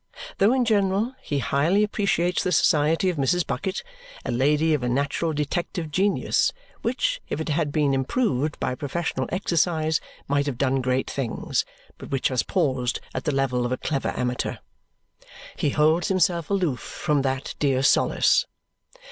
Though in general he highly appreciates the society of Mrs. Bucket a lady of a natural detective genius, which if it had been improved by professional exercise, might have done great things, but which has paused at the level of a clever amateur he holds himself aloof from that dear solace.